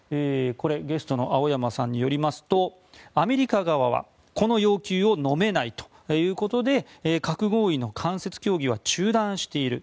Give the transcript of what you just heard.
ゲストの青山さんによりますとアメリカ側はこの要求をのめないということで核合意の間接協議は中断している。